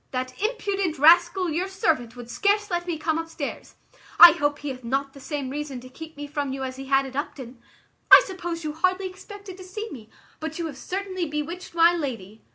That impudent rascal your servant would scarce let me come upstairs. I hope he hath not the same reason to keep me from you as he had at Upton. I suppose you hardly expected to see me; but you have certainly bewitched my lady.